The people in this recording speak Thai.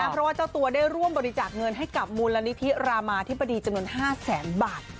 เพราะว่าเจ้าตัวได้ร่วมบริจาคเงินให้กับมูลนิธิรามาธิบดีจำนวน๕แสนบาท